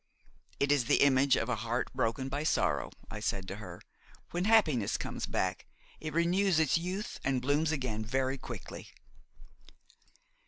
"It is the image of a heart broken by sorrow," I said to her; "when happiness comes back, it renews its youth and blooms again very quickly."